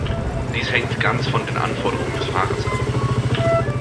Dies hängt ganz von den Anforderungen des Fahrers ab.